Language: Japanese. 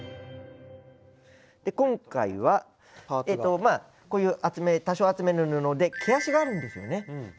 で今回はこういう厚め多少厚めの布で毛足があるんですよね。